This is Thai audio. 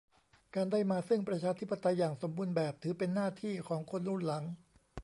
การได้มาซึ่งประชาธิปไตยอย่างสมบูรณ์แบบถือเป็นหน้าที่ของคนรุ่นหลัง